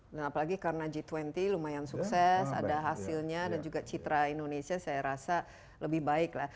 dan apalagi karena g dua puluh lumayan sukses ada hasilnya dan juga citra indonesia saya rasa lebih baik lah